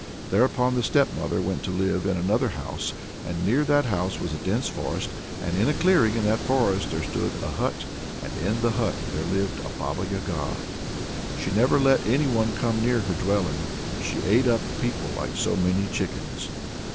Thereupon the stepmother went to live in another house; and near that house was a dense forest, and in a clearing in that forest there stood a hut, and in the hut there lived a Baba Yaga. She never let any one come near her dwelling, and she ate up people like so many chickens.